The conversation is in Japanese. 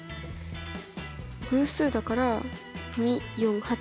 偶数だから２４８。